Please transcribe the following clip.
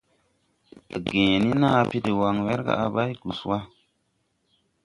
A gęę ni naabe dè wan, wɛrga à bày gus wa.